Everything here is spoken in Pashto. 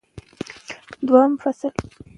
دوهم فصل